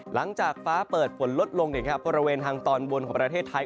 หลังจากฟ้าเปิดฝนลดลงบริเวณทางตอนบนของประเทศไทย